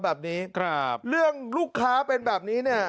แบบนี้ครับเรื่องลูกค้าเป็นแบบนี้เนี่ย